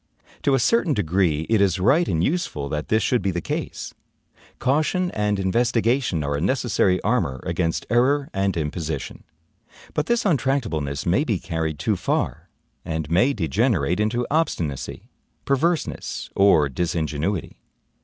To a certain degree, it is right and useful that this should be the case. Caution and investigation are a necessary armor against error and imposition. But this untractableness may be carried too far, and may degenerate into obstinacy, perverseness, or disingenuity.